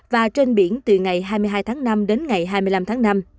và trên biển từ ngày hai mươi hai tháng năm đến ngày hai mươi năm tháng năm